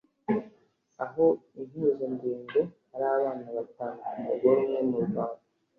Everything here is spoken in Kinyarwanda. aho impuzandengo ari abana batanu ku mugore umwe mu Rwanda